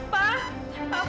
pak pak prabu